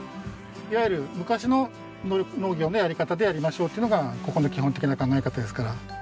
いわゆる昔の農業のやり方でやりましょうっていうのがここの基本的な考え方ですから。